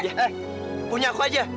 eh punya aku aja